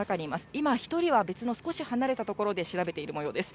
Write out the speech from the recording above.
今、１人は別の少し離れた所で調べているもようです。